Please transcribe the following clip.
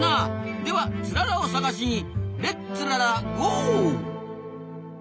ではツララを探しにレッツララゴー！